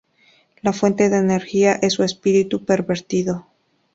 La fuente de energía es su "espíritu pervertido".